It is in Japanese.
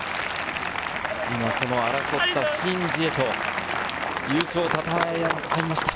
争ったシン・ジエと優勝をたたえ合っていました。